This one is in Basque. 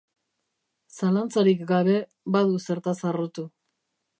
Zalantzarik gabe, badu zertaz harrotu.